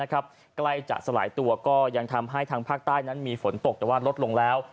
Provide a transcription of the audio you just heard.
ใกล้จะสลายตัวก็ยังทำให้ทางภาคใต้นั้นมีฝนตกแต่ว่าลดลงแล้ว